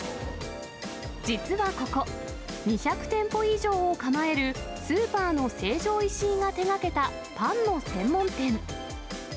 実はここ、２００店舗以上を構えるスーパーの成城石井が手がけたパンの専門店。